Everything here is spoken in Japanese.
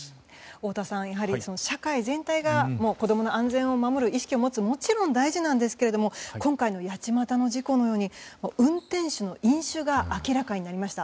太田さん、社会全体が子供の安全を守る意識を持つのはもちろん大事なんですが今回の八街の事故のように運転手の飲酒が明らかになりました。